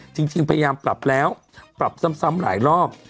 จริงพยายามปรับแล้วปรับซ้ำหลายรอบ